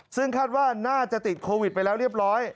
ซึ่งคาดว่าน่าจะติดโควิดไปแล้วเรียบร้อย